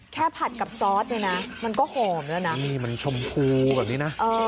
ผัดกับซอสเนี่ยนะมันก็หอมแล้วนะนี่มันชมพูแบบนี้นะ